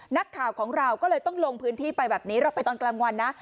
นักข่าวของเราก็เลยต้องลงพื้นที่ไปแบบนี้เราไปตอนกลางวันนะ